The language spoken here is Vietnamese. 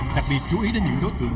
đặc biệt chú ý đến những đối tượng